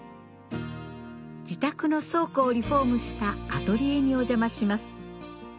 自宅の倉庫をリフォームしたアトリエにお邪魔します